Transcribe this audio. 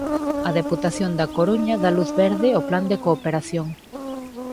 A Deputación da Coruña dá luz verde ó plan de cooperación